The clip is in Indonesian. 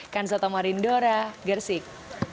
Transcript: kansato marindora gersik